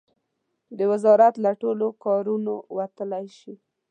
د وزارت له ټولو کارونو وتلای شي.